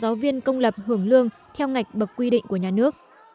sáu giáo viên công lập hưởng lương theo ngạch bậc quy định của nhà nước